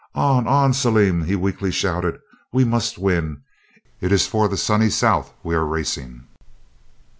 "On! on! Salim," he weakly shouted; "we must win, it is for the Sunny South we are racing."